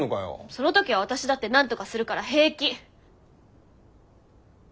そのときは私だってなんとかするから平気！